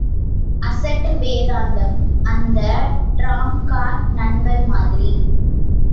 அசட்டு வேதாந்தம் அந்த tram car நண்பர் மாதிரி.